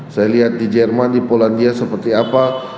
saya lihat di jerman di polandia seperti apa